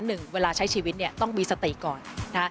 หนึ่งเวลาใช้ชีวิตต้องมีสติก่อน